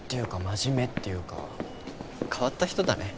真面目っていうか変わった人だね。